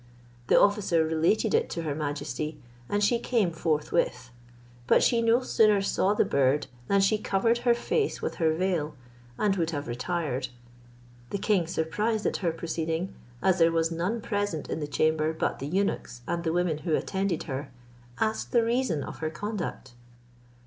The officer related it to her majesty, and she came forthwith; but she no sooner saw the bird, than she covered her face with her veil, and would have retired. The king, surprised at her proceeding, as there was none present in the chamber but the eunuchs and the women who attended her, asked the reason of her conduct.